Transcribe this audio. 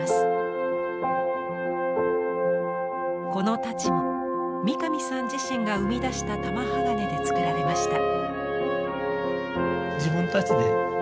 この太刀も三上さん自身が生み出した玉鋼でつくられました。